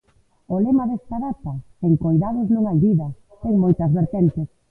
O lema desta data, "sen coidados non hai vida", ten moitas vertentes.